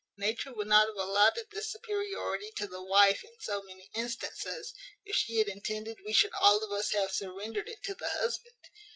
Nature would not have allotted this superiority to the wife in so many instances, if she had intended we should all of us have surrendered it to the husband.